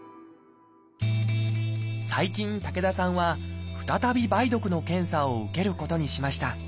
最近武田さんは再び梅毒の検査を受けることにしました。